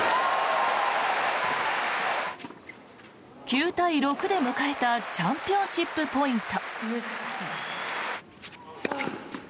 ９対６で迎えたチャンピオンシップポイント。